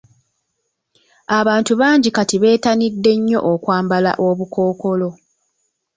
Abantu bangi kati betanidde nnyo okwambala obukookolo.